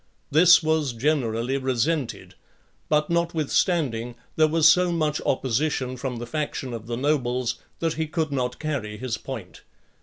This was generally resented; but, notwithstanding, there was so much opposition from the faction of the nobles, that he could not carry his point.